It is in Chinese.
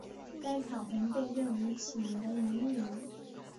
该卡洪被认为起源于秘鲁。